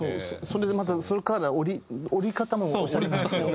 それでまたそれから降り方もオシャレなんですよ。